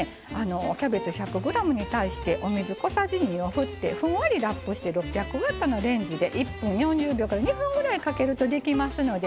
キャベツ１００ｇに対してお水小さじ２をふってふんわりラップして６００Ｗのレンジで１分４０秒から２分ぐらいかけるとできますのでね